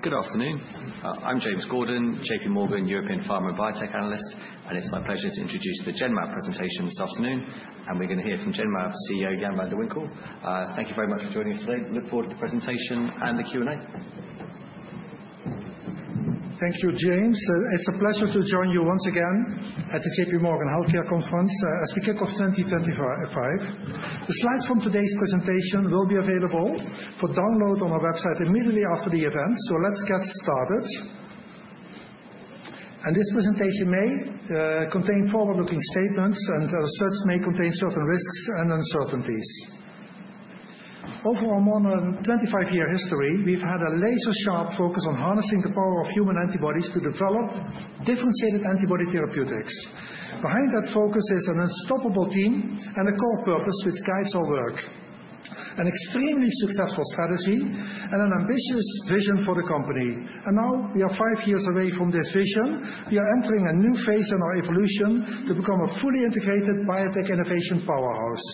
Good afternoon. I'm James Gordon, J.P. Morgan European Pharma and Biotech Analyst, and it's my pleasure to introduce the Genmab presentation this afternoon, and we're going to hear from Genmab CEO Jan van de Winkel. Thank you very much for joining us today. Look forward to the presentation and the Q&A. Thank you, James. It's a pleasure to join you once again at the J.P. Morgan Healthcare Conference as we kick off 2025. The slides from today's presentation will be available for download on our website immediately after the event, so let's get started, and this presentation may contain forward-looking statements, and the research may contain certain risks and uncertainties. Over our more than 25-year history, we've had a laser-sharp focus on harnessing the power of human antibodies to develop differentiated antibody therapeutics. Behind that focus is an unstoppable team and a core purpose which guides our work: an extremely successful strategy and an ambitious vision for the company, and now, we are five years away from this vision. We are entering a new phase in our evolution to become a fully integrated biotech innovation powerhouse.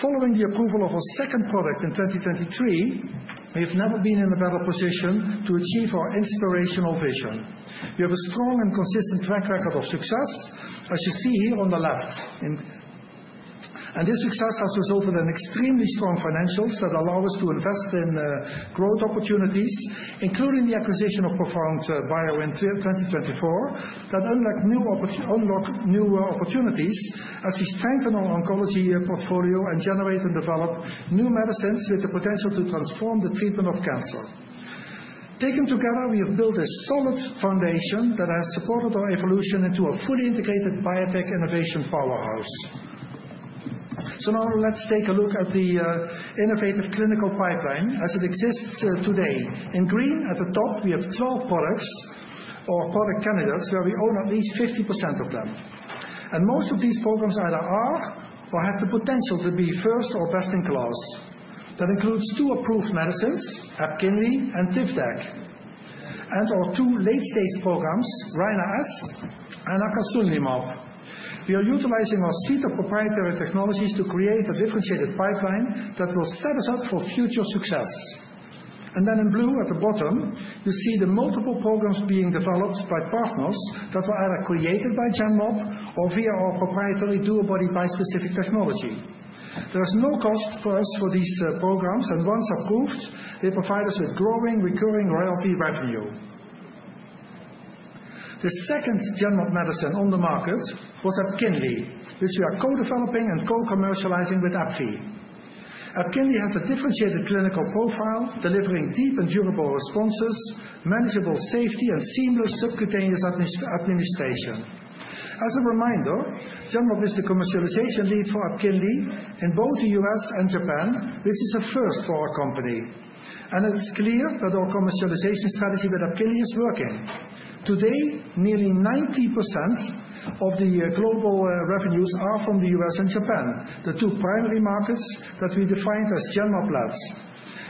Following the approval of our second product in 2023, we have never been in a better position to achieve our inspirational vision. We have a strong and consistent track record of success, as you see here on the left. And this success has resulted in extremely strong financials that allow us to invest in growth opportunities, including the acquisition of Profound Bio in 2024, that unlock new opportunities as we strengthen our oncology portfolio and generate and develop new medicines with the potential to transform the treatment of cancer. Taken together, we have built a solid foundation that has supported our evolution into a fully integrated biotech innovation powerhouse. So now, let's take a look at the innovative clinical pipeline as it exists today. In green, at the top, we have 12 products or product candidates where we own at least 50% of them. Most of these programs either are or have the potential to be first or best in class. That includes two approved medicines, Epkinly and Tivdak, and our two late-stage programs, Rina-S and Acasunlimab. We are utilizing our DuoBody proprietary technologies to create a differentiated pipeline that will set us up for future success. Then in blue, at the bottom, you see the multiple programs being developed by partners that were either created by Genmab or via our proprietary DuoBody bispecific technology. There is no cost for us for these programs, and once approved, they provide us with growing, recurring royalty revenue. The second Genmab medicine on the market was Epkinly, which we are co-developing and co-commercializing with AbbVie. Epkinly has a differentiated clinical profile, delivering deep and durable responses, manageable safety, and seamless subcutaneous administration. As a reminder, Genmab is the commercialization lead for Epkinly in both the U.S. and Japan, which is a first for our company, and it's clear that our commercialization strategy with Epkinly is working. Today, nearly 90% of the global revenues are from the U.S. and Japan, the two primary markets that we defined as Genmab-led.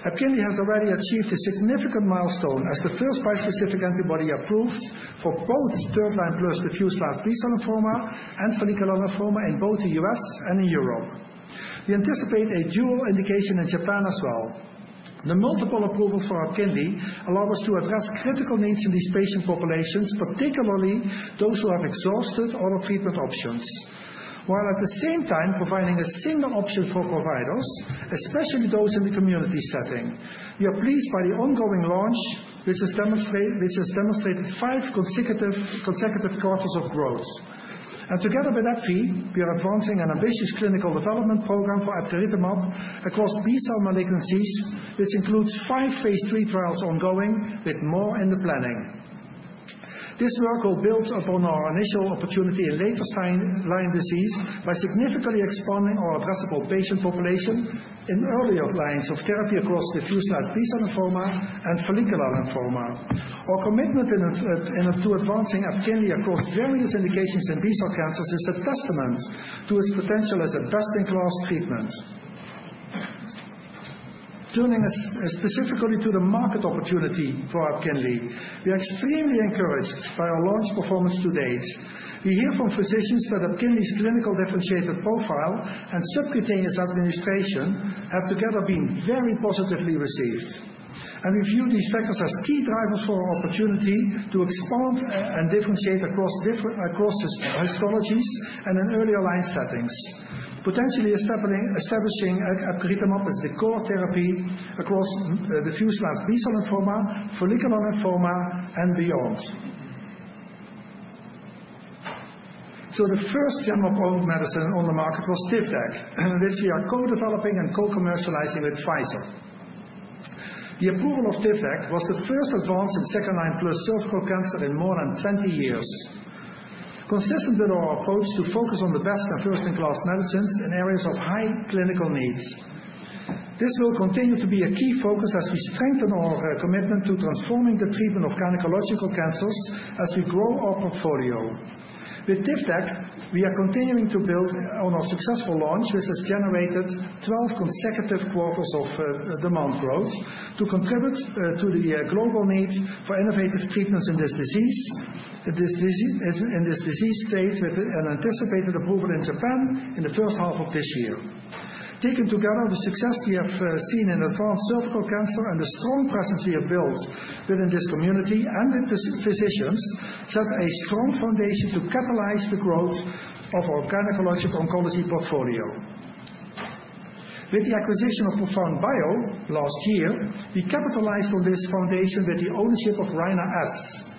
Epkinly has already achieved a significant milestone as the first bispecific antibody approved for both third-line plus diffuse large B-cell lymphoma and follicular lymphoma in both the U.S. and in Europe. We anticipate a dual indication in Japan as well. The multiple approvals for Epkinly allow us to address critical needs in these patient populations, particularly those who have exhausted other treatment options, while at the same time providing a single option for providers, especially those in the community setting. We are pleased by the ongoing launch, which has demonstrated five consecutive quarters of growth, and together with AbbVie, we are advancing an ambitious clinical development program for epcoritamab across B-cell malignancies, which includes five phase III trials ongoing, with more in the planning. This work will build upon our initial opportunity in later line disease by significantly expanding our addressable patient population in earlier lines of therapy across diffuse large B-cell lymphoma and follicular lymphoma. Our commitment to advancing Epkinly across various indications in B-cell cancers is a testament to its potential as a best-in-class treatment. Turning specifically to the market opportunity for Epkinly, we are extremely encouraged by our launch performance to date. We hear from physicians that Epkinly's clinical differentiated profile and subcutaneous administration have together been very positively received. We view these factors as key drivers for our opportunity to expand and differentiate across histologies and in earlier line settings, potentially establishing epcoritamab as the core therapy across diffuse large B-cell lymphoma, follicular lymphoma, and beyond. The first Genmab-owned medicine on the market was Tivdak, which we are co-developing and co-commercializing with Pfizer. The approval of Tivdak was the first advance in second-line plus cervical cancer in more than 20 years, consistent with our approach to focus on the best and first-in-class medicines in areas of high clinical needs. This will continue to be a key focus as we strengthen our commitment to transforming the treatment of gynecological cancers as we grow our portfolio. With Tivdak, we are continuing to build on our successful launch, which has generated 12 consecutive quarters of demand growth to contribute to the global needs for innovative treatments in this disease stage with an anticipated approval in Japan in the first half of this year. Taken together, the success we have seen in advanced cervical cancer and the strong presence we have built within this community and with physicians set a strong foundation to catalyze the growth of our gynecological oncology portfolio. With the acquisition of Profound Bio last year, we capitalized on this foundation with the ownership of Rina-S.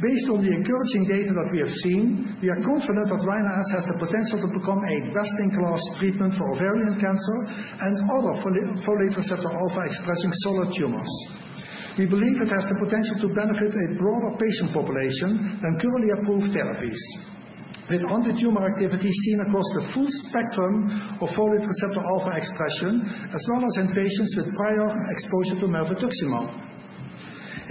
Based on the encouraging data that we have seen, we are confident that Rina-S has the potential to become a best-in-class treatment for ovarian cancer and other folate receptor alpha-expressing solid tumors. We believe it has the potential to benefit a broader patient population than currently approved therapies, with anti-tumor activity seen across the full spectrum of folate receptor alpha expression, as well as in patients with prior exposure to Elahere.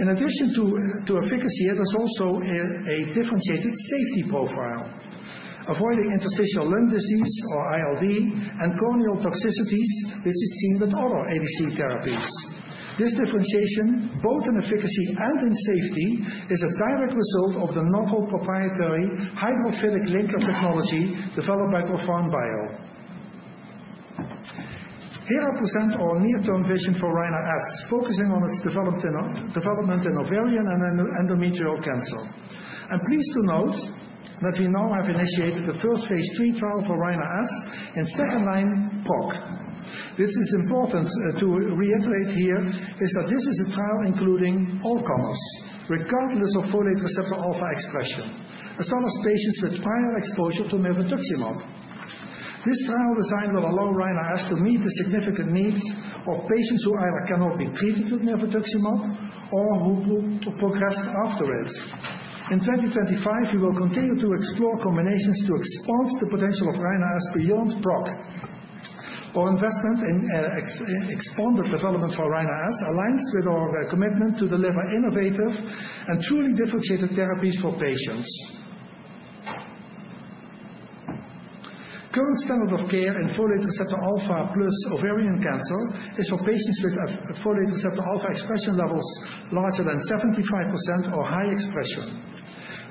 In addition to efficacy, it has also a differentiated safety profile, avoiding interstitial lung disease, or ILD, and corneal toxicities, which is seen with other ADC therapies. This differentiation, both in efficacy and in safety, is a direct result of the novel proprietary hydrophilic linker technology developed by Profound Bio. Here I present our near-term vision for Rina-S, focusing on its development in ovarian and endometrial cancer. I'm pleased to note that we now have initiated the first phase III trial for Rina-S in second-line PROC. This is important to reiterate here, is that this is a trial including all comers, regardless of folate receptor alpha expression, as well as patients with prior exposure to Elahere. This trial design will allow Rina-S to meet the significant needs of patients who either cannot be treated with Elahere or who progressed after it. In 2025, we will continue to explore combinations to expand the potential of Rina-S beyond PROC. Our investment in expanded development for Rina-S aligns with our commitment to deliver innovative and truly differentiated therapies for patients. Current standard of care in folate receptor alpha-plus ovarian cancer is for patients with folate receptor alpha expression levels larger than 75% or high expression.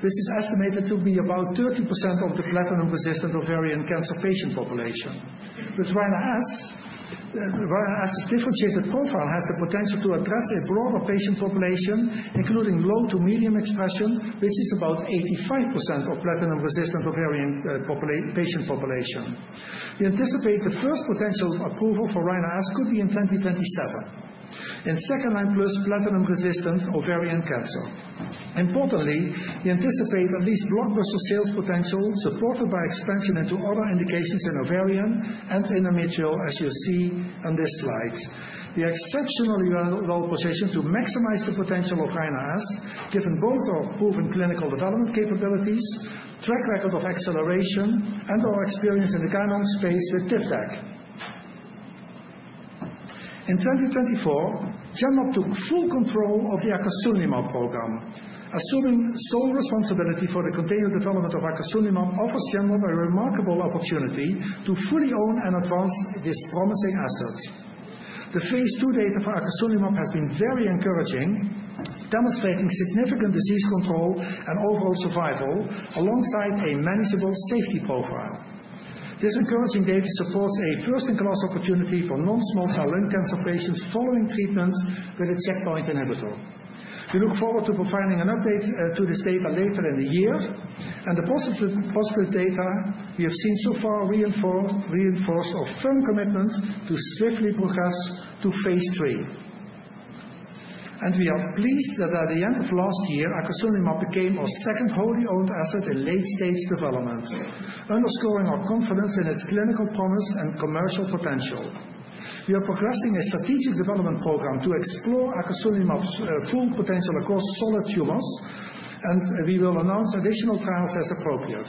This is estimated to be about 30% of the platinum-resistant ovarian cancer patient population. With Rina-S, Rina-S's differentiated profile has the potential to address a broader patient population, including low to medium expression, which is about 85% of platinum-resistant ovarian patient population. We anticipate the first potential approval for Rina-S could be in 2027 in second-line plus platinum-resistant ovarian cancer. Importantly, we anticipate at least blockbuster sales potential supported by expansion into other indications in ovarian and endometrial, as you see on this slide. We are exceptionally well-positioned to maximize the potential of Rina-S, given both our proven clinical development capabilities, track record of acceleration, and our experience in the guideline space with Tivdak. In 2024, Genmab took full control of the Acasunlimab program. Assuming sole responsibility for the continued development of Acasunlimab offers Genmab a remarkable opportunity to fully own and advance this promising asset. The phase II data for Acasunlimab has been very encouraging, demonstrating significant disease control and overall survival alongside a manageable safety profile. This encouraging data supports a first-in-class opportunity for non-small cell lung cancer patients following treatment with a checkpoint inhibitor. We look forward to providing an update to this data later in the year, and the positive data we have seen so far reinforce our firm commitment to swiftly progress to phase III, and we are pleased that at the end of last year, Acasunlimab became our second wholly owned asset in late-stage development, underscoring our confidence in its clinical promise and commercial potential. We are progressing a strategic development program to explore Acasunlimab's full potential across solid tumors, and we will announce additional trials as appropriate.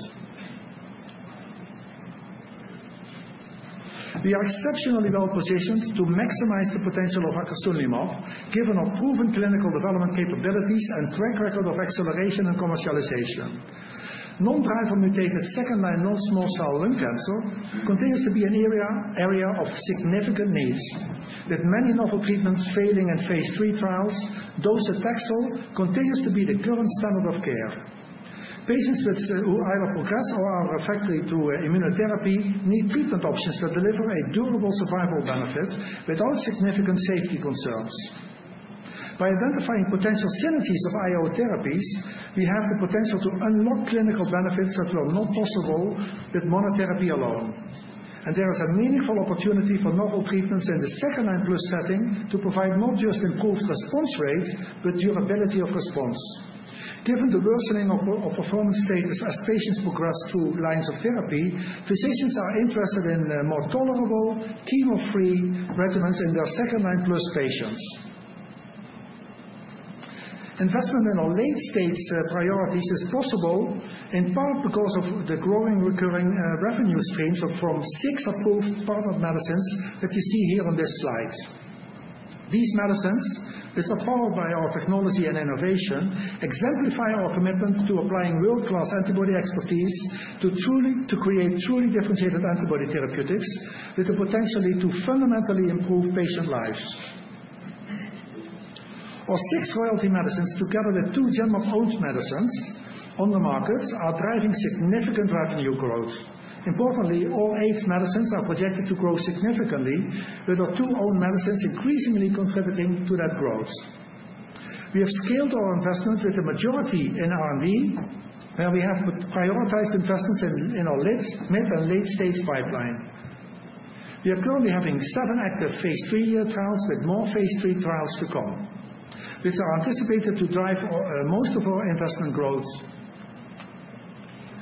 We are exceptionally well-positioned to maximize the potential of Acasunlimab, given our proven clinical development capabilities and track record of acceleration and commercialization. Non-driver-mutated second-line non-small cell lung cancer continues to be an area of significant needs. With many novel treatments failing in phase III trials, docetaxel continues to be the current standard of care. Patients who either progress or are refractory to immunotherapy need treatment options that deliver a durable survival benefit without significant safety concerns. By identifying potential synergies of IO therapies, we have the potential to unlock clinical benefits that were not possible with monotherapy alone, and there is a meaningful opportunity for novel treatments in the second-line plus setting to provide not just improved response rate, but durability of response. Given the worsening of performance status as patients progress through lines of therapy, physicians are interested in more tolerable, chemo-free regimens in their second-line plus patients. Investment in our late-stage priorities is possible in part because of the growing recurring revenue streams from six approved partnered medicines that you see here on this slide. These medicines, which are powered by our technology and innovation, exemplify our commitment to applying world-class antibody expertise to create truly differentiated antibody therapeutics with the potential to fundamentally improve patient lives. Our six royalty medicines, together with two Genmab-owned medicines on the market, are driving significant revenue growth. Importantly, all eight medicines are projected to grow significantly, with our two own medicines increasingly contributing to that growth. We have scaled our investment with the majority in R&D, where we have prioritized investments in our mid and late-stage pipeline. We are currently having seven active phase III trials with more phase III trials to come, which are anticipated to drive most of our investment growth.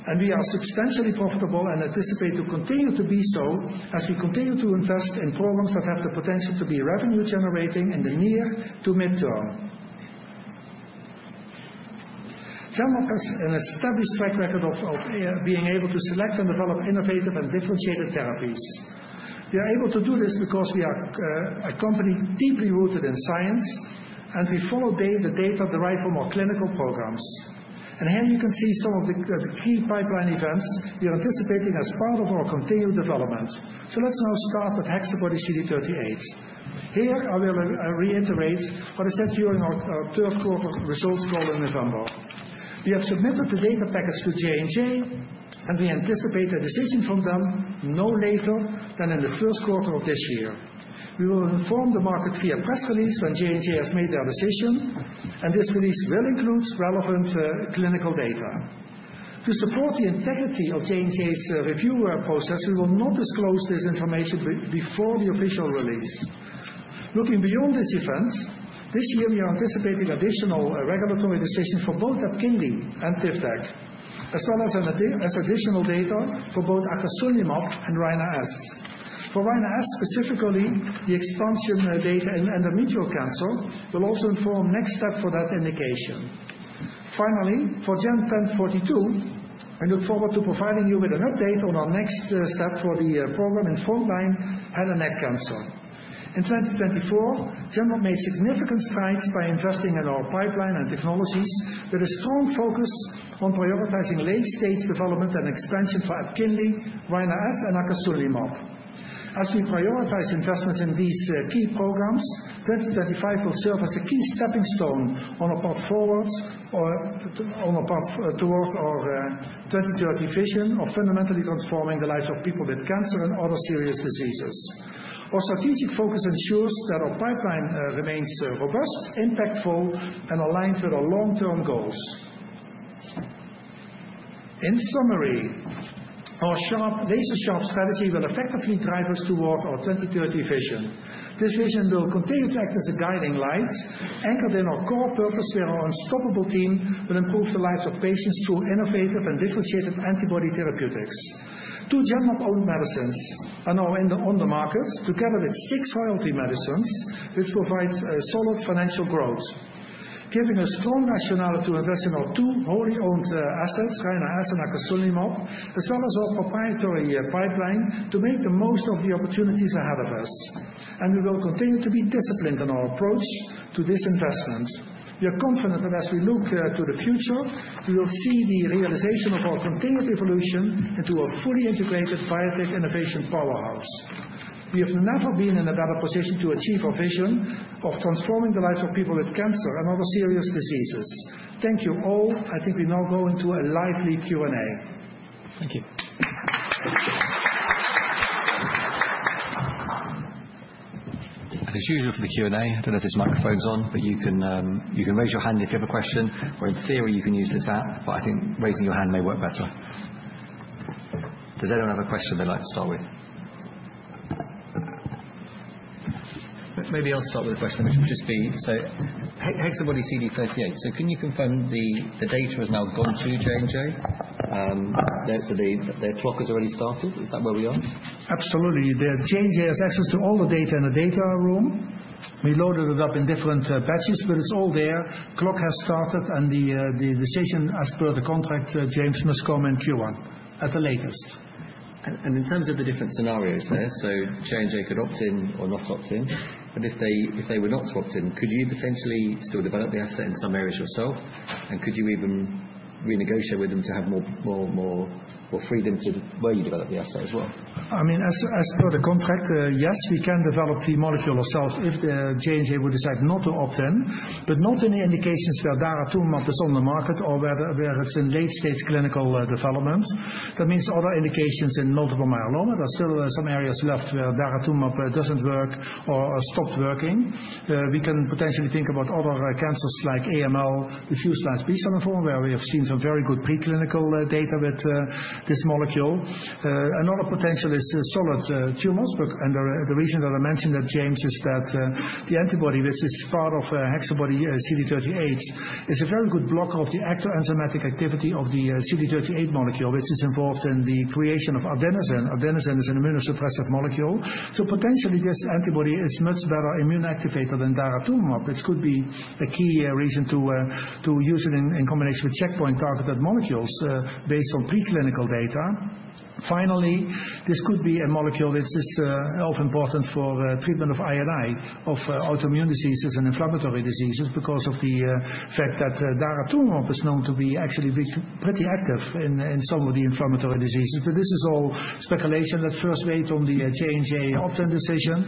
And we are substantially profitable and anticipate to continue to be so as we continue to invest in programs that have the potential to be revenue-generating in the near to midterm. Genmab has an established track record of being able to select and develop innovative and differentiated therapies. We are able to do this because we are a company deeply rooted in science, and we follow the data derived from our clinical programs. And here you can see some of the key pipeline events we are anticipating as part of our continued development. So let's now start with HexaBody-CD38. Here I will reiterate what I said during our third quarter results call in November. We have submitted the data package to J&J, and we anticipate a decision from them no later than in the first quarter of this year. We will inform the market via press release when J&J has made their decision, and this release will include relevant clinical data. To support the integrity of J&J's review process, we will not disclose this information before the official release. Looking beyond this event, this year we are anticipating additional regulatory decisions for both Epkinly and Tivdak, as well as additional data for both Acasunlimab and Rina-S. For Rina-S specifically, the expansion data in endometrial cancer will also inform next steps for that indication. Finally, for GEN1042, I look forward to providing you with an update on our next step for the program in frontline head and neck cancer. In 2024, Genmab made significant strides by investing in our pipeline and technologies with a strong focus on prioritizing late-stage development and expansion for Epkinly, Rina-S, and Acasunlimab. As we prioritize investments in these key programs, 2025 will serve as a key stepping stone on our path forward toward our 2030 vision of fundamentally transforming the lives of people with cancer and other serious diseases. Our strategic focus ensures that our pipeline remains robust, impactful, and aligned with our long-term goals. In summary, our laser-sharp strategy will effectively drive us toward our 2030 vision. This vision will continue to act as a guiding light, anchored in our core purpose where our unstoppable team will improve the lives of patients through innovative and differentiated antibody therapeutics. Two Genmab-owned medicines are now on the market, together with six royalty medicines, which provide solid financial growth, giving us strong rationale to invest in our two wholly owned assets, Rina-S and Acasunlimab, as well as our proprietary pipeline, to make the most of the opportunities ahead of us. And we will continue to be disciplined in our approach to this investment. We are confident that as we look to the future, we will see the realization of our continued evolution into a fully integrated biotech innovation powerhouse. We have never been in a better position to achieve our vision of transforming the lives of people with cancer and other serious diseases. Thank you all. I think we now go into a lively Q&A. Thank you. As usual for the Q&A, I don't know if there's microphones on, but you can raise your hand if you have a question, or in theory, you can use this app. But I think raising your hand may work better. Does anyone have a question they'd like to start with? Maybe I'll start with a question, which would just be so HexaBody-CD38. So can you confirm the data has now gone to J&J? The clock has already started. Is that where we are? Absolutely. J&J has access to all the data in the data room. We loaded it up in different batches, but it's all there. Clock has started, and the decision as per the contract, James, must come by Q1 at the latest. And in terms of the different scenarios there, so J&J could opt in or not opt in, but if they were not to opt in, could you potentially still develop the asset in some areas yourself? And could you even renegotiate with them to have more freedom to where you develop the asset as well? I mean, as per the contract, yes, we can develop the molecule ourselves if J&J would decide not to opt in, but not in the indications where daratumumab is on the market or where it's in late-stage clinical development. That means other indications in multiple myeloma. There are still some areas left where daratumumab doesn't work or stopped working. We can potentially think about other cancers like AML, diffuse large B-cell lymphoma, where we have seen some very good preclinical data with this molecule. Another potential is solid tumors, and the reason that I mentioned that, James, is that the antibody, which is part of HexaBody-CD38, is a very good blocker of the ectoenzymatic activity of the CD38 molecule, which is involved in the creation of adenosine. Adenosine is an immunosuppressive molecule. So potentially, this antibody is a much better immune activator than daratumumab, which could be a key reason to use it in combination with checkpoint-targeted molecules based on preclinical data. Finally, this could be a molecule which is of importance for treatment of I&I, of autoimmune diseases and inflammatory diseases, because of the fact that daratumumab is known to be actually pretty active in some of the inflammatory diseases. But this is all speculation. Let's first wait on the J&J opt-in decision.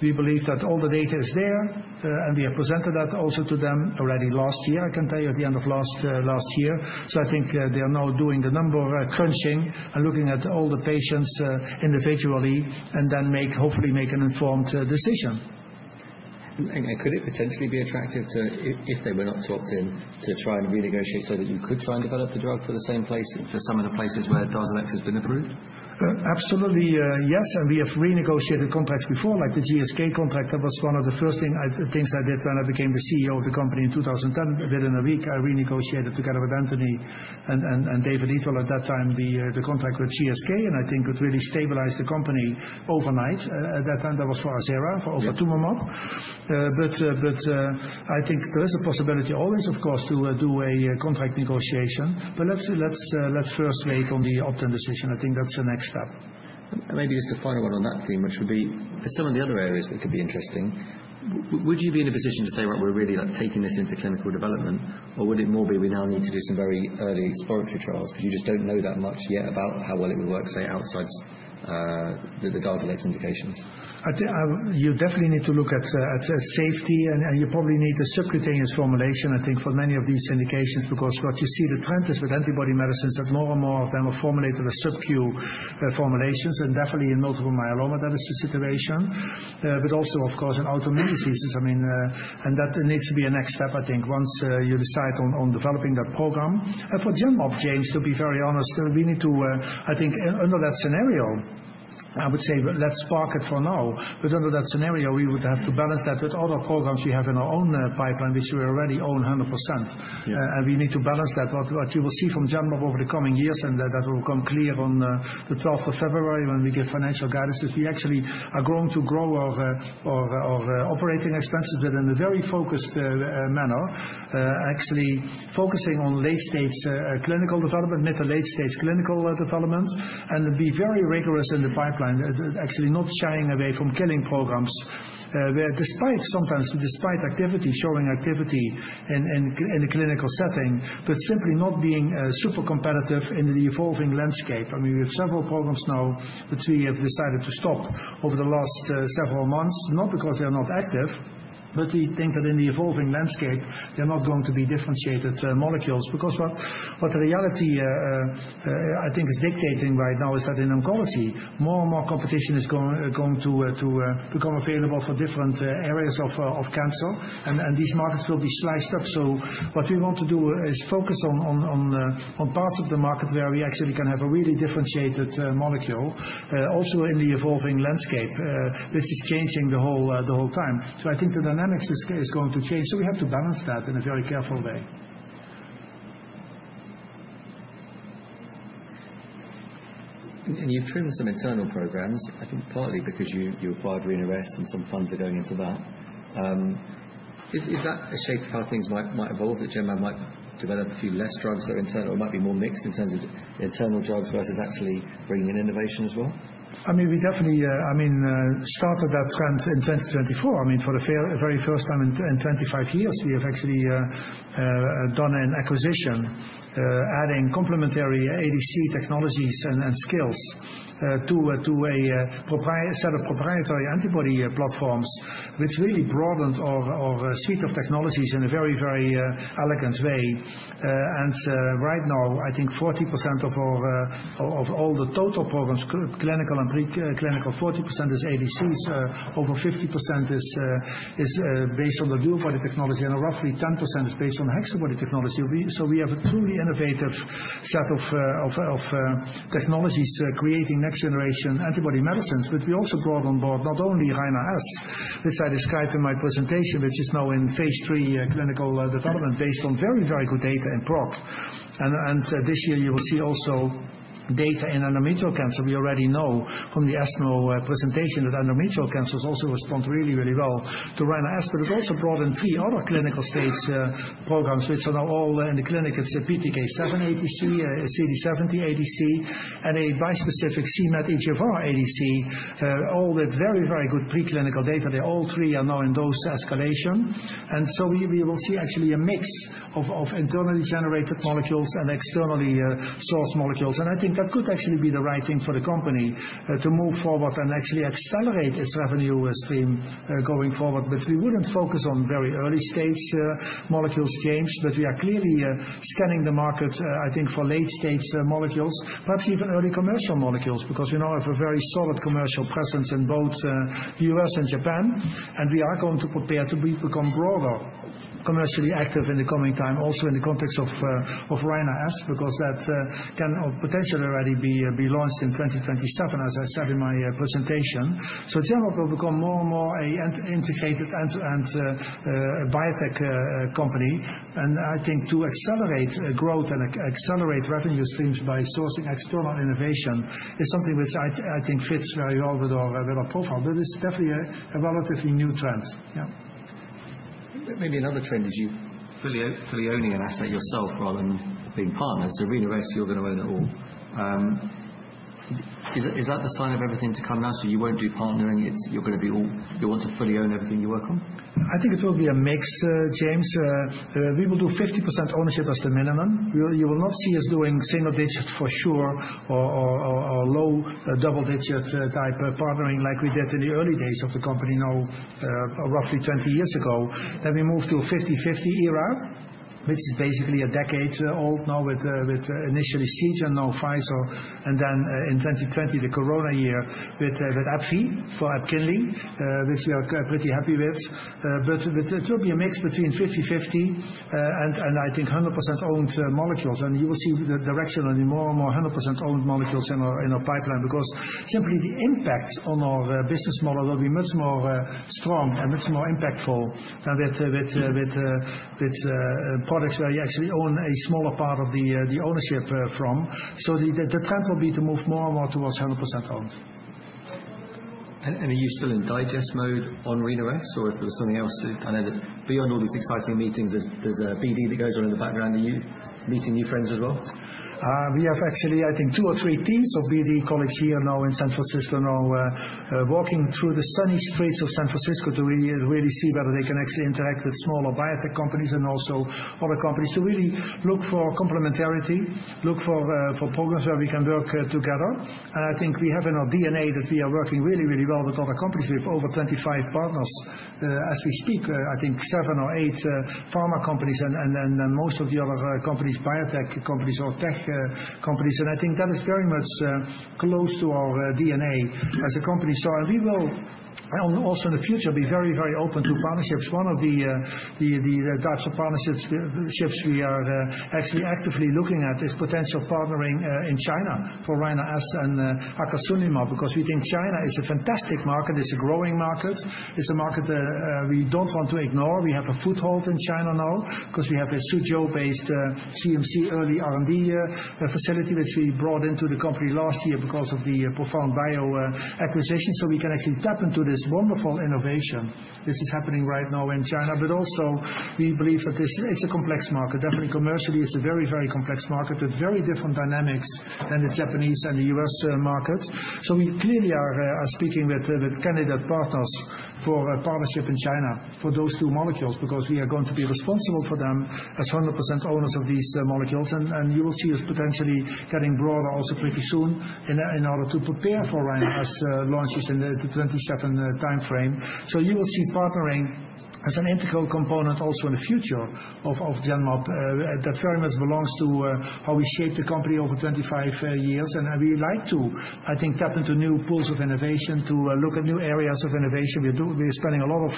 We believe that all the data is there, and we have presented that also to them already last year, I can tell you, at the end of last year. So I think they are now doing the number crunching and looking at all the patients individually and then hopefully make an informed decision. And could it potentially be attractive to, if they were not to opt in, to try and renegotiate so that you could try and develop the drug for the same place and for some of the places where Darzalex has been approved? Absolutely, yes. And we have renegotiated contracts before, like the GSK contract. That was one of the first things I did when I became the CEO of the company in 2010. Within a week, I renegotiated together with Anthony and David Eatwell at that time the contract with GSK, and I think it really stabilized the company overnight. At that time, that was for Arzerra for ofatumumab. But I think there is a possibility always, of course, to do a contract negotiation, but let's first wait on the opt-in decision. I think that's the next step. Maybe just a final one on that theme, which would be some of the other areas that could be interesting. Would you be in a position to say, "Right, we're really taking this into clinical development," or would it more be we now need to do some very early exploratory trials because you just don't know that much yet about how well it would work, say, outside the Darzalex indications? You definitely need to look at safety, and you probably need a subcutaneous formulation, I think, for many of these indications, because what you see, the trend is with antibody medicines that more and more of them are formulated as subq formulations, and definitely in multiple myeloma, that is the situation, but also, of course, in autoimmune diseases. I mean, and that needs to be a next step, I think, once you decide on developing that program, and for Genmab, James, to be very honest, we need to, I think, under that scenario, I would say, let's park it for now, but under that scenario, we would have to balance that with other programs we have in our own pipeline, which we already own 100%, and we need to balance that. What you will see from Genmab over the coming years, and that will become clear on the 12th of February when we give financial guidance, is we actually are going to grow our operating expenses within a very focused manner, actually focusing on late-stage clinical development, mid to late-stage clinical development, and be very rigorous in the pipeline, actually not shying away from killing programs where, despite sometimes showing activity in the clinical setting, but simply not being super competitive in the evolving landscape. I mean, we have several programs now, which we have decided to stop over the last several months, not because they are not active, but we think that in the evolving landscape, they're not going to be differentiated molecules. Because what the reality, I think, is dictating right now is that in oncology, more and more competition is going to become available for different areas of cancer, and these markets will be sliced up. So what we want to do is focus on parts of the market where we actually can have a really differentiated molecule, also in the evolving landscape, which is changing the whole time. So I think the dynamics is going to change. So we have to balance that in a very careful way. And you've driven some internal programs, I think partly because you acquired Rina-S and some funds are going into that. Is that a shape of how things might evolve, that Genmab might develop a few less drugs that are internal or might be more mixed in terms of internal drugs versus actually bringing in innovation as well? I mean, we definitely started that trend in 2024. I mean, for the very first time in 25 years, we have actually done an acquisition, adding complementary ADC technologies and skills to a set of proprietary antibody platforms, which really broadened our suite of technologies in a very, very elegant way. And right now, I think 40% of all the total programs, clinical and preclinical, 40% is ADCs, over 50% is based on the DuoBody technology, and roughly 10% is based on the HexaBody technology. So we have a truly innovative set of technologies creating next-generation antibody medicines, but we also brought on board not only Rina-S, which I described in my presentation, which is now in phase III clinical development based on very, very good data in PROC. And this year, you will see also data in endometrial cancer. We already know from the ESMO presentation that endometrial cancers also respond really, really well to Rina-S, but it also brought in three other clinical stage programs, which are now all in the clinic. It's a PTK7 ADC, a CD70 ADC, and a bispecific c-MET EGFR ADC, all with very, very good preclinical data. They all three are now in dose escalation, and so we will see actually a mix of internally generated molecules and externally sourced molecules. And I think that could actually be the right thing for the company to move forward and actually accelerate its revenue stream going forward, but we wouldn't focus on very early-stage molecules, James, but we are clearly scanning the market, I think, for late-stage molecules, perhaps even early commercial molecules, because we now have a very solid commercial presence in both the U.S. and Japan. We are going to prepare to become broader commercially active in the coming time, also in the context of Rina-S, because that can potentially already be launched in 2027, as I said in my presentation. Genmab will become more and more an integrated end-to-end biotech company. I think to accelerate growth and accelerate revenue streams by sourcing external innovation is something which I think fits very well with our profile, but it's definitely a relatively new trend. Yeah. Maybe another trend is you're fully owning an asset yourself rather than being partners. Rina-S, you're going to own it all. Is that the sign of everything to come now? You won't do partnering. You're going to be all you want to fully own everything you work on? I think it will be a mix, James. We will do 50% ownership as the minimum. You will not see us doing single-digit for sure or low double-digit type partnering like we did in the early days of the company now roughly 20 years ago, then we moved to a 50/50 era, which is basically a decade old now with initially Seagen, now Pfizer, and then in 2020, the corona year with AbbVie for Epkinly, which we are pretty happy with, but it will be a mix between 50/50 and I think 100% owned molecules, and you will see the direction of more and more 100% owned molecules in our pipeline because simply the impact on our business model will be much more strong and much more impactful than with products where you actually own a smaller part of the ownership from, so the trend will be to move more and more towards 100% owned. Are you still in digest mode on Rina-S or if there was something else to kind of beyond all these exciting meetings, there's a BD that goes on in the background and you meeting new friends as well? We have actually, I think, two or three teams of BD colleagues here now in San Francisco now walking through the sunny streets of San Francisco to really see whether they can actually interact with smaller biotech companies and also other companies to really look for complementarity, look for programs where we can work together. I think we have in our DNA that we are working really, really well with other companies. We have over 25 partners as we speak, I think seven or eight pharma companies and then most of the other companies, biotech companies or tech companies. I think that is very much close to our DNA as a company. We will also in the future be very, very open to partnerships. One of the types of partnerships we are actually actively looking at is potential partnering in China for Rina-S and Acasunlimab because we think China is a fantastic market. It's a growing market. It's a market we don't want to ignore. We have a foothold in China now because we have a Suzhou-based CMC early R&D facility which we brought into the company last year because of the Profound Bio acquisition. We can actually tap into this wonderful innovation which is happening right now in China. We believe that it's a complex market. Definitely commercially, it's a very, very complex market with very different dynamics than the Japanese and the U.S. markets. So we clearly are speaking with candidate partners for a partnership in China for those two molecules because we are going to be responsible for them as 100% owners of these molecules. And you will see us potentially getting broader also pretty soon in order to prepare for Rina-S launches in the 2027 timeframe. So you will see partnering as an integral component also in the future of Genmab. That very much belongs to how we shape the company over 25 years. And we like to, I think, tap into new pools of innovation to look at new areas of innovation. We are spending a lot of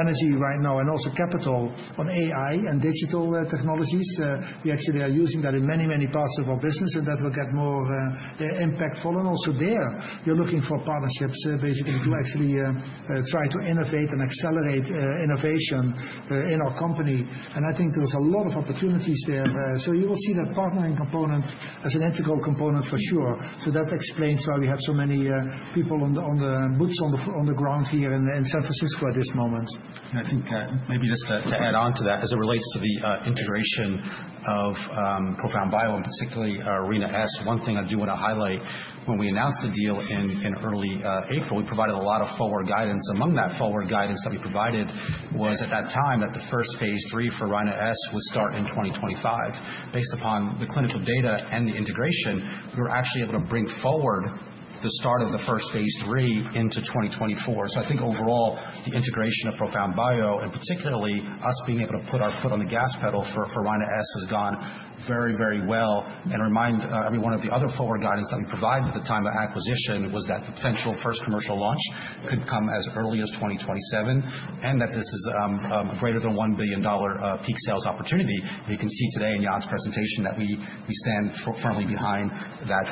energy right now and also capital on AI and digital technologies. We actually are using that in many, many parts of our business, and that will get more impactful. And also there, you're looking for partnerships basically to actually try to innovate and accelerate innovation in our company. And I think there's a lot of opportunities there. So you will see that partnering component as an integral component for sure. So that explains why we have so many people on the boots on the ground here in San Francisco at this moment. And I think maybe just to add on to that, as it relates to the integration of Profound Bio and particularly Rina-S, one thing I do want to highlight, when we announced the deal in early April, we provided a lot of forward guidance. Among that forward guidance that we provided was at that time that the first phase 3 for Rina-S would start in 2025. Based upon the clinical data and the integration, we were actually able to bring forward the start of the first phase III into 2024, so I think overall, the integration of Profound Bio and particularly us being able to put our foot on the gas pedal for Rina-S has gone very, very well, and remind everyone of the other forward guidance that we provided at the time of acquisition was that the potential first commercial launch could come as early as 2027 and that this is a greater than $1 billion peak sales opportunity. You can see today in Jan's presentation that we stand firmly behind that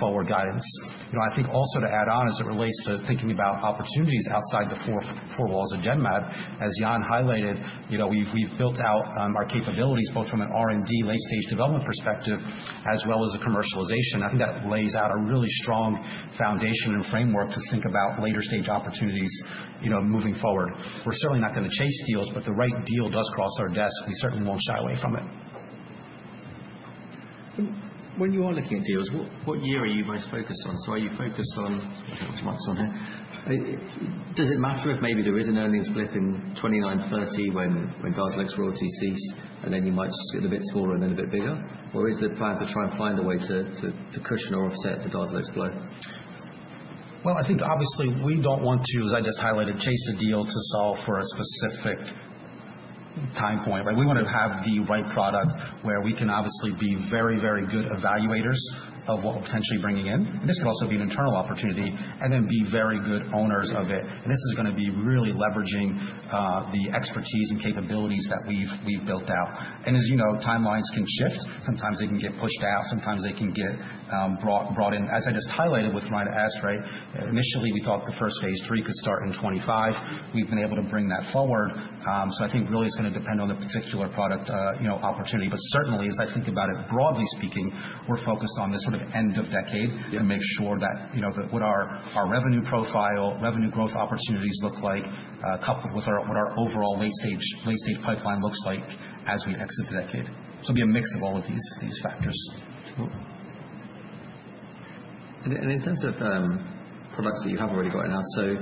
forward guidance. I think also to add on as it relates to thinking about opportunities outside the four walls of Genmab, as Jan highlighted, we've built out our capabilities both from an R&D late-stage development perspective as well as a commercialization. I think that lays out a really strong foundation and framework to think about later-stage opportunities moving forward. We're certainly not going to chase deals, but the right deal does cross our desk. We certainly won't shy away from it. When you are looking at deals, what year are you most focused on? So are you focused on which markets on here? Does it matter if maybe there is an earnings split in 2029-30 when DARZALEX royalty cease, and then you might get a bit smaller and then a bit bigger? Or is the plan to try and find a way to cushion or offset the DARZALEX blow? I think obviously we don't want to, as I just highlighted, chase a deal to solve for a specific time point. We want to have the right product where we can obviously be very, very good evaluators of what we're potentially bringing in. And this could also be an internal opportunity and then be very good owners of it. And this is going to be really leveraging the expertise and capabilities that we've built out. And as you know, timelines can shift. Sometimes they can get pushed out. Sometimes they can get brought in. As I just highlighted with Rina-S, right, initially we thought the first phase III could start in 2025. We've been able to bring that forward. So I think really it's going to depend on the particular product opportunity. Certainly, as I think about it, broadly speaking, we're focused on this sort of end of decade to make sure that what our revenue profile, revenue growth opportunities look like, coupled with what our overall late-stage pipeline looks like as we exit the decade. It'll be a mix of all of these factors. In terms of products that you have already gotten out, so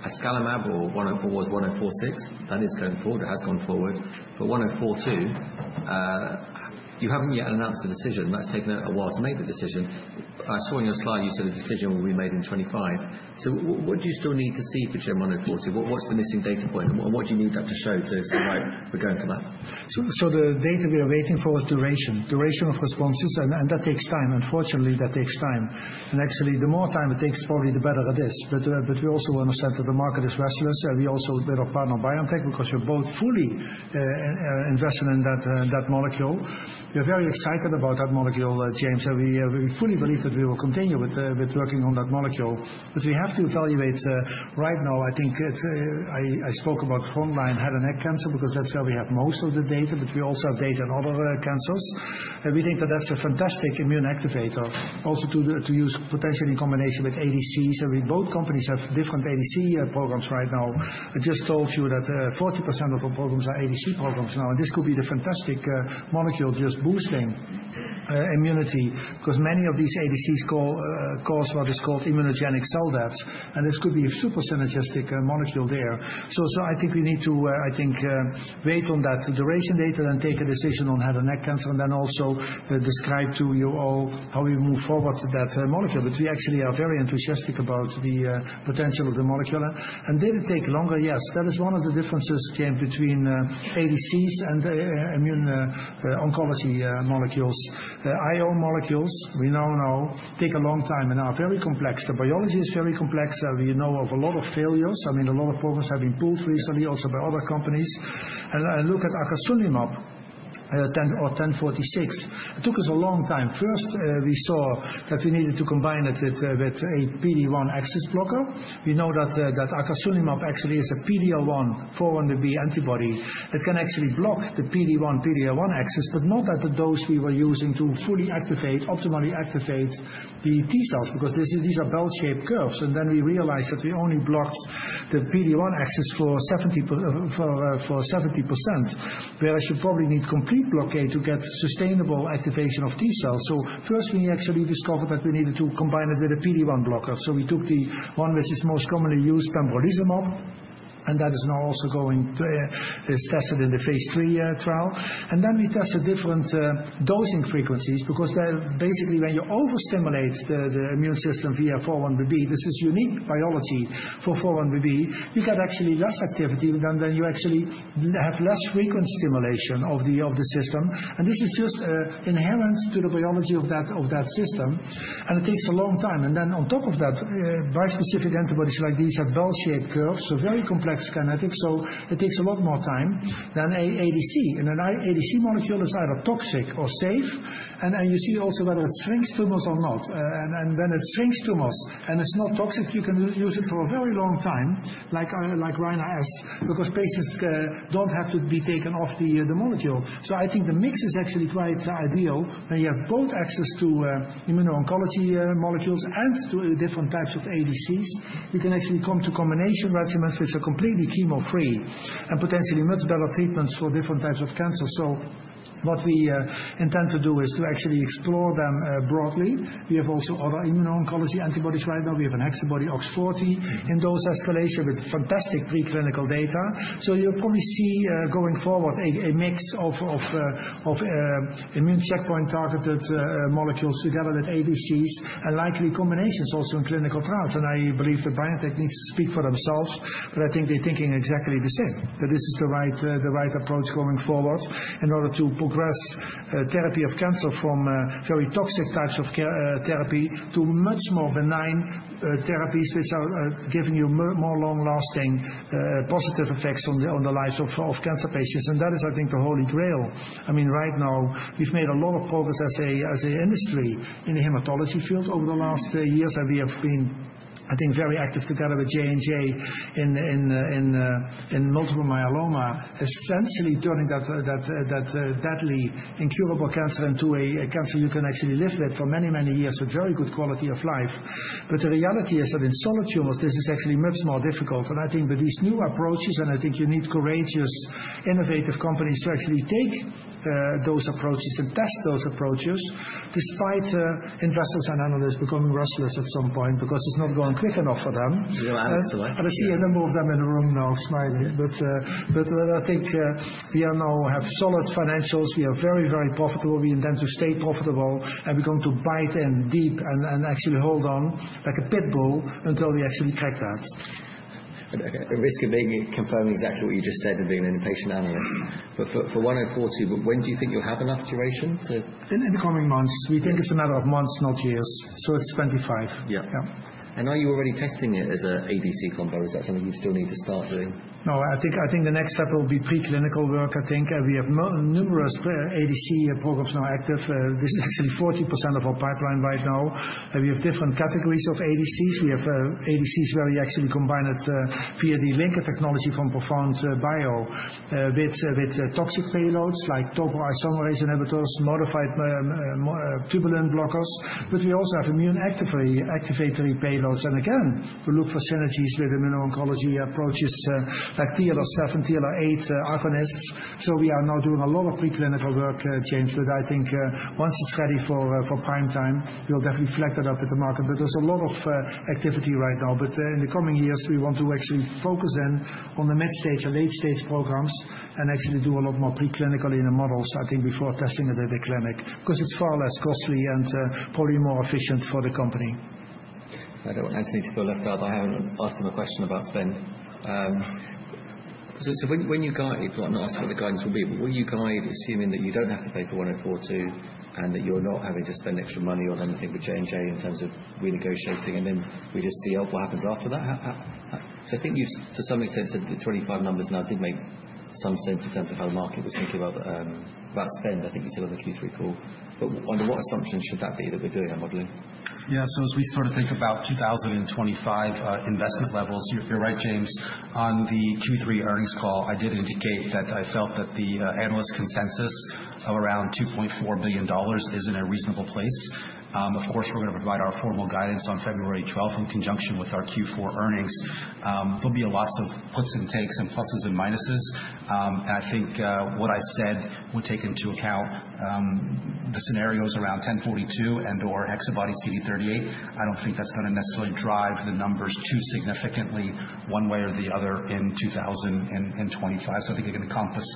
Acasunlimab or GEN1046, that is going forward. It has gone forward. But GEN1042, you haven't yet announced a decision. That's taken a while to make the decision. I saw in your slide you said a decision will be made in 2025. What do you still need to see for GEN1042? What's the missing data point? What do you need that to show to say, "Right, we're going for that"? The data we are waiting for is duration. Duration of responses, and that takes time. Unfortunately, that takes time. And actually, the more time it takes, probably the better it is. But we also want to say that the market is restless. And we also partnered with BioNTech because we're both fully invested in that molecule. We're very excited about that molecule, James. And we fully believe that we will continue with working on that molecule. But we have to evaluate right now. I think I spoke about frontline head and neck cancer because that's where we have most of the data, but we also have data in other cancers. And we think that that's a fantastic immune activator also to use potentially in combination with ADCs. And both companies have different ADC programs right now. I just told you that 40% of the programs are ADC programs now. And this could be the fantastic molecule just boosting immunity because many of these ADCs cause what is called immunogenic cell deaths. And this could be a super synergistic molecule there. So I think we need to, I think, wait on that duration data and take a decision on head and neck cancer and then also describe to you all how we move forward to that molecule. But we actually are very enthusiastic about the potential of the molecule. And did it take longer? Yes. That is one of the differences, James, between ADCs and immuno-oncology molecules. IO molecules, we now know, take a long time and are very complex. The biology is very complex. We know of a lot of failures. I mean, a lot of programs have been pulled recently also by other companies. And look at Acasunlimab or 1046. It took us a long time. First, we saw that we needed to combine it with a PD-1 axis blocker. We know that Acasunlimab actually is a PD-L1, 4-1BB antibody that can actually block the PD-1, PD-L1 axis, but not at the dose we were using to fully activate, optimally activate the T cells because these are bell-shaped curves, and then we realized that we only blocked the PD-1 axis for 70%, whereas you probably need complete blockade to get sustainable activation of T cells, so first, we actually discovered that we needed to combine it with a PD-1 blocker, so we took the one which is most commonly used, pembrolizumab, and that is now also going to be tested in the phase III trial, and then we tested different dosing frequencies because basically when you overstimulate the immune system via 4-1BB, this is unique biology for 4-1BB. You get actually less activity than you actually have less frequent stimulation of the system. And this is just inherent to the biology of that system. And it takes a long time. And then on top of that, bispecific antibodies like these have bell-shaped curves, so very complex kinetics. So it takes a lot more time than ADC. And an ADC molecule is either toxic or safe. And you see also whether it shrinks tumors or not. And when it shrinks tumors and it's not toxic, you can use it for a very long time, like Rina-S, because patients don't have to be taken off the molecule. So I think the mix is actually quite ideal when you have both access to immuno-oncology molecules and to different types of ADCs. You can actually come to combination regimens which are completely chemo-free and potentially much better treatments for different types of cancer. So what we intend to do is to actually explore them broadly. We have also other immuno-oncology antibodies right now. We have an HexaBody-OX40 in dose escalation with fantastic preclinical data. So you'll probably see going forward a mix of immune checkpoint targeted molecules together with ADCs and likely combinations also in clinical trials. And I believe the biotech needs to speak for themselves, but I think they're thinking exactly the same, that this is the right approach going forward in order to progress therapy of cancer from very toxic types of therapy to much more benign therapies which are giving you more long-lasting positive effects on the lives of cancer patients. And that is, I think, the Holy Grail. I mean, right now, we've made a lot of progress as an industry in the hematology field over the last years. And we have been, I think, very active together with J&J in multiple myeloma, essentially turning that deadly, incurable cancer into a cancer you can actually live with for many, many years with very good quality of life. But the reality is that in solid tumors, this is actually much more difficult. And I think with these new approaches, and I think you need courageous, innovative companies to actually take those approaches and test those approaches despite investors and analysts becoming restless at some point because it's not going quick enough for them. I see a number of them in the room now smiling. But I think we now have solid financials. We are very, very profitable. We intend to stay profitable. We're going to bite in deep and actually hold on like a pit bull until we actually crack that. It is a big component exactly what you just said of being an impatient analyst. But for 1042, when do you think you'll have enough duration to? In the coming months. We think it's a matter of months, not years. So it's 25. Yeah. And are you already testing it as an ADC combo? Is that something you still need to start doing? No, I think the next step will be preclinical work, I think. We have numerous ADC programs now active. This is actually 40% of our pipeline right now. We have different categories of ADCs. We have ADCs where we actually combine it via the linker technology from Profound Bio with toxic payloads like topoisomerase inhibitors, modified tubulin blockers. But we also have immune activatory payloads. Again, we look for synergies with immuno-oncology approaches like TLR7, TLR8, agonists. So we are now doing a lot of preclinical work, James. But I think once it's ready for prime time, we'll definitely flag that up at the market. But there's a lot of activity right now. But in the coming years, we want to actually focus in on the mid-stage and late-stage programs and actually do a lot more preclinically in the models, I think, before testing it at the clinic because it's far less costly and probably more efficient for the company. I don't want Anthony to fill it out. I haven't asked him a question about spend. So when you guide people, I'm not asking what the guidance will be, but will you guide, assuming that you don't have to pay for 1042 and that you're not having to spend extra money on anything with J&J in terms of renegotiating, and then we just see what happens after that? So I think you've, to some extent, said the 25 numbers now did make some sense in terms of how the market was thinking about spend, I think you said on the Q3 call. But under what assumption should that be that we're doing our modeling? Yeah. So as we sort of think about 2025 investment levels, you're right, James. On the Q3 earnings call, I did indicate that I felt that the analyst consensus of around $2.4 billion is in a reasonable place. Of course, we're going to provide our formal guidance on February 12th in conjunction with our Q4 earnings. There'll be lots of puts and takes and pluses and minuses, and I think what I said would take into account the scenarios around 1042 and/or HexaBody-CD38. I don't think that's going to necessarily drive the numbers too significantly one way or the other in 2025, so I think it can encompass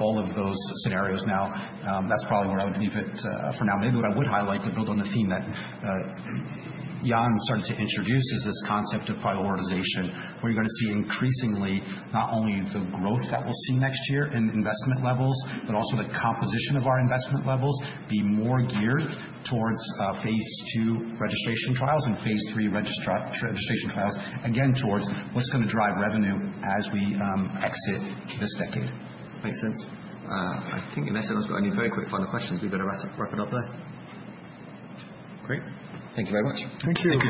all of those scenarios now. That's probably where I would leave it for now. Maybe what I would highlight to build on the theme that Jan started to introduce is this concept of prioritization, where you're going to see increasingly not only the growth that we'll see next year in investment levels, but also the composition of our investment levels be more geared towards phase two registration trials and phase three registration trials, again, towards what's going to drive revenue as we exit this decade. Makes sense. I think unless there's any very quick final questions, we've got to wrap up there. Great. Thank you very much. Thank you.